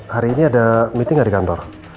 hari ini ada meeting nggak di kantor